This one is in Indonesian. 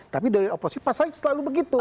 tapi dari oposisi pasal itu selalu begitu